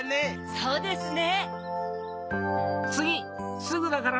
そうですね。